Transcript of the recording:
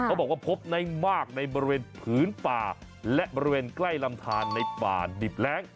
พบว่าพบได้มากในบริเวณผืนป่าและบริเวณใกล้ลำทานในป่าดิบแร้ง